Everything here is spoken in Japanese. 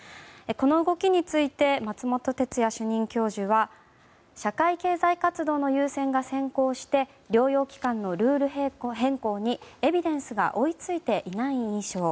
この動きについて松本哲哉主任教授は社会経済活動の優先が先行して療養期間のルール変更にエビデンスが追いついていない印象。